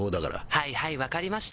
「はいはい分かりました」